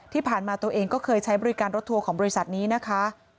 ที่ผ่านมาตัวเองก็เคยใช้บริการรถทัวร์ของบริษัทนี้นะคะ